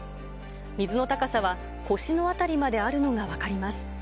水の高さは腰の辺りまであるのが分かります。